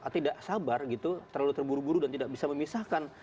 tidak sabar gitu terlalu terburu buru dan tidak bisa memisahkan